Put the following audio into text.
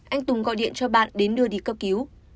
anh tùng gọi điện cho bạn đến đưa đi cấp cứu